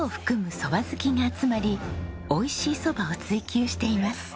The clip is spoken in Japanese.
蕎麦好きが集まり美味しい蕎麦を追求しています。